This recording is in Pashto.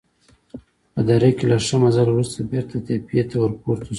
په دره کې له ښه مزل وروسته بېرته تپې ته ورپورته شوو.